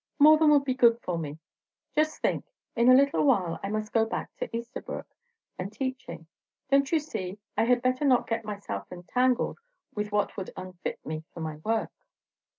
"More than would be good for me. Just think in a little while I must go back to Esterbrooke and teaching; don't you see, I had better not get myself entangled with what would unfit me for my work?"